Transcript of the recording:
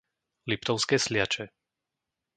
Liptovské Sliače